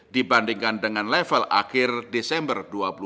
dibandingkan dengan level akhir desember dua ribu dua puluh